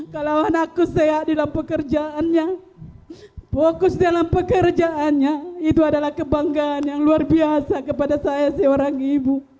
kalau anakku sehat dalam pekerjaannya fokus dalam pekerjaannya itu adalah kebanggaan yang luar biasa kepada saya seorang ibu